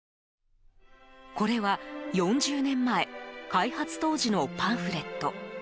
これは、４０年前開発当時のパンフレット。